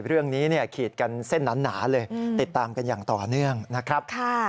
เรื่องนี้ขีดกันเส้นหนาเลยติดตามกันอย่างต่อเนื่องนะครับ